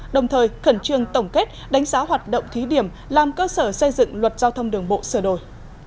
đồng thời khẩn trương tổng kết đánh giá hoạt động thí điểm làm cơ sở xây dựng luật giao thông đường bộ sửa đổi